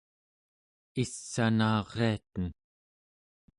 iss'anariaten